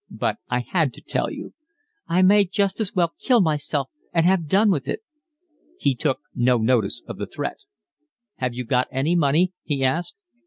"But I had to tell you." "I may just as well kill myself and have done with it." He took no notice of the threat. "Have you got any money?" he asked.